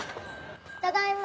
ただいま。